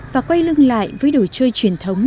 và quay lưng lại với đồ chơi truyền thống